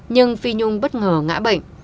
nhưng phi nhung bất ngờ ngã bệnh